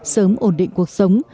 sớm ổn định cuộc sống